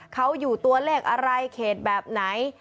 เขาอยู่ตัวเลขอะไรเขตแบบไหน